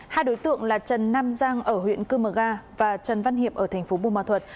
hai đối tượng là trần nam giang ở huyện cư mờ ga và trần văn hiệp ở thành phố bù ma thuật